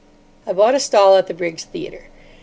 I bought a stall at the Briggs Theatre.